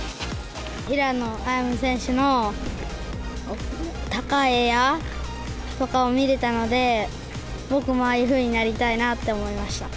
平野歩夢選手の高いエアとかを見れたので、僕もああいうふうになりたいなと思いました。